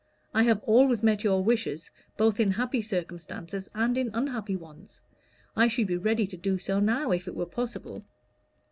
I have always met your wishes both in happy circumstances and in unhappy ones. I should be ready to do so now, if it were possible."